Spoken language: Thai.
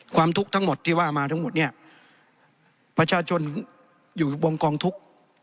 ทุกข์ทั้งหมดที่ว่ามาทั้งหมดเนี่ยประชาชนอยู่วงกองทุกข์